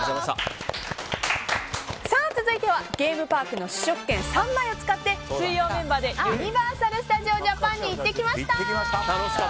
続いてはゲームパークの試食券３枚を使って水曜メンバーでユニバーサル・スタジオ・ジャパンに行ってきました！